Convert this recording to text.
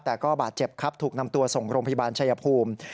แต่ก็บาดเจ็บครับถูกนำตัวส่งโรงพยาบาลชายภูมิ